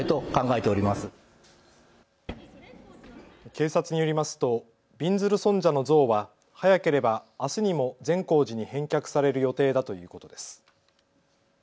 警察によりますとびんずる尊者の像は早ければあすにも善光寺に返却される予定だということです。